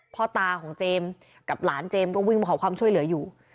พ่อตาของเจมส์กับหลานเจมส์ก็วิ่งมาขอความช่วยเหลืออยู่